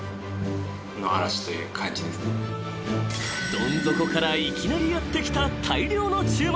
［どん底からいきなりやってきた大量の注文］